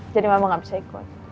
jadi mama gak bisa ikut